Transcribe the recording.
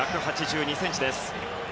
１８２ｃｍです。